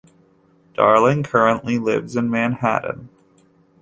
Darling currently lives in Manhattan.